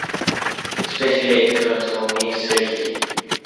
The specific epithet ("sericea") means "silky".